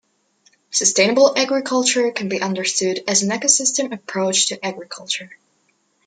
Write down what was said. Sustainable agriculture can be understood as an ecosystem approach to agriculture.